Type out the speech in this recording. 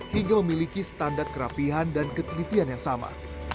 hingga memiliki standar kerapihan dan ketelitian yang sama